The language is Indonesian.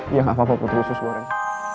iya gak apa apa putri khusus goreng